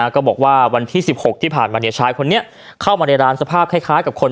ก็บอกว่าวันที่สิบหกที่ผ่านมาเนี้ยชายคนนี้เข้ามาในร้านสภาพคล้ายคล้ายกับคน